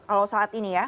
kalau saat ini ya